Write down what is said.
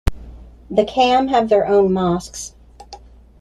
The Cham have their own mosques.